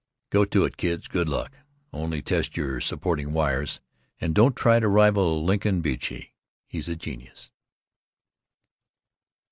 Go to it, kids, good luck, only test your supporting wires, and don't try to rival Lincoln Beachey, he's a genius.